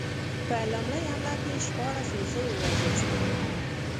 په لومړۍ حمله کې شپاړس هوسۍ ووژل شوې.